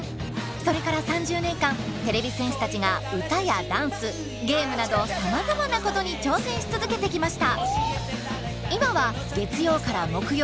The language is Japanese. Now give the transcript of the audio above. それから３０年間てれび戦士たちが歌やダンスゲームなどさまざまなことに挑戦し続けてきました。